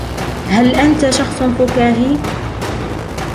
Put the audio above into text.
هل أنت شخصٌ فكاهي؟